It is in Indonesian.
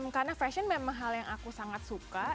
karena fashion memang hal yang aku sangat suka